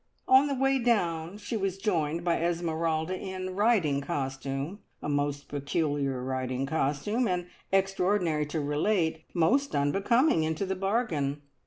On the way down she was joined by Esmeralda in riding costume a most peculiar riding costume, and, extraordinary to relate, most unbecoming into the bargain.